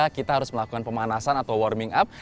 kita harus melakukan pemanasan atau warming up